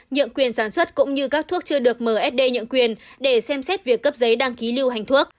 nhượng quyền sản xuất cũng như các thuốc chưa được msd nhượng quyền để xem xét việc cấp giấy đăng ký lưu hành thuốc